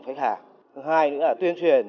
khách hàng thứ hai nữa là tuyên truyền